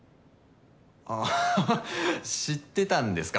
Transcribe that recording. あっははっ知ってたんですか？